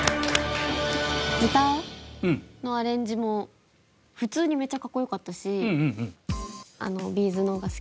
ギターのアレンジも普通にめっちゃ格好良かったし。